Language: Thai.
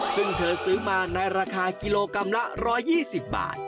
ซึ่งเธอซื้อมาในราคากิโลกรัมละ๑๒๐บาท